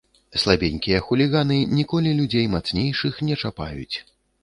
Слабенькія хуліганы ніколі людзей мацнейшых не чапаюць.